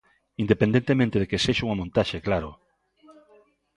Independentemente de que sexa unha montaxe, claro.